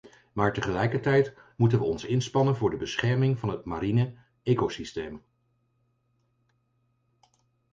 Maar tegelijkertijd moeten we ons inspannen voor de bescherming van het mariene ecosysteem.